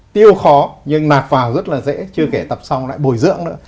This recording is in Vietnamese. tiêu khó nhưng nạt vào rất là dễ chưa kể tập xong lại bồi dưỡng nữa